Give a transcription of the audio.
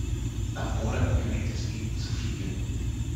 Nach Monaten gelingt es ihm, zu fliehen.